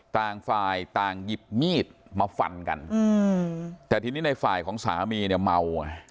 ต่างฝ่ายต่างหยิบมีดมาฟันกันอืมแต่ทีนี้ในฝ่ายของสามีเนี่ยเมาไง